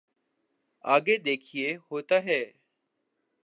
آگے دیکھیے ہوتا ہے۔